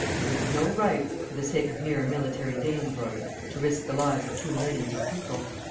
You have no right, for the sake of mere military vainglory, to risk the lives of two millions of people.